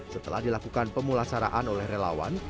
setelah dilakukan pemulasaraan oleh relawan